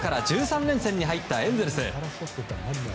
昨日から１３連戦に入ったエンゼルス。